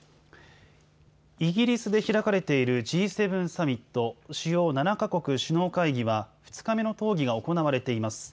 イギリスで開かれているＧ７サミット＝主要７か国首脳会議は２日目の討議が行われています。